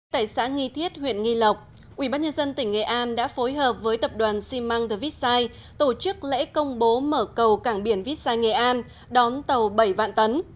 tại xã nghi thiết huyện nghi lộc ubnd tỉnh nghệ an đã phối hợp với tập đoàn ximang the vistai tổ chức lễ công bố mở cầu cảng biển vistai nghệ an đón tàu bảy vạn tấn